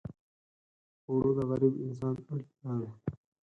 اوړه د غریب انسان اړتیا ده